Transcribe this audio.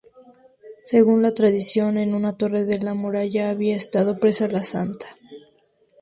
Según la tradición, en una torre de la muralla había estado presa la santa.